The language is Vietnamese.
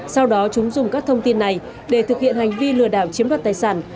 sau đó chúng dùng các thông tin này để thực hiện hành vi lừa đảo chiếm đoạt tài sản